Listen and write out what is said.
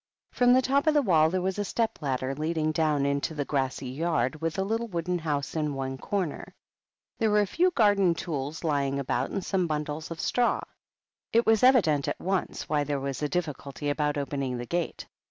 From the top of the wall there was a step ladder leading down into a grassy yard with a little wooden house in one corner ; there were a few garden tools lying about and some bundles of straw. It was evident at once why there was a difficulty about opening the gate.